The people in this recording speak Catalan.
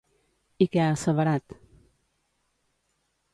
I què ha asseverat?